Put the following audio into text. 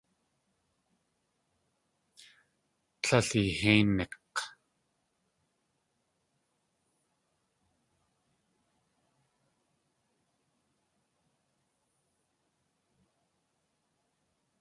Líl eehéinik̲!